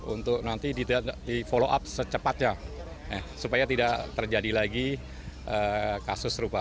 untuk nanti di follow up secepatnya supaya tidak terjadi lagi kasus serupa